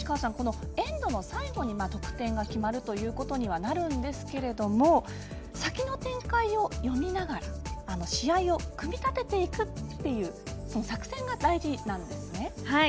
エンドの最後に得点が決まるということにはなりますが先の展開を読みながら試合を組み立てていくというその作戦が大事なんですね？